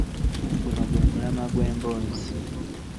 Guno gwe mulamwa gw’emboozi.